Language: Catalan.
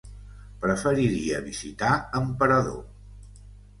Preferiria visitar Emperador.